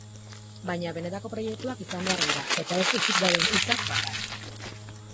Baina benetako proiektuak izan behar dira, eta ez hutsik dauden hitzak bakarrik.